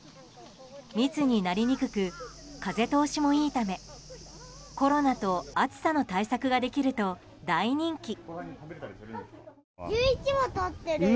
密になりにくく風通しもいいためコロナと暑さの対策ができると大人気。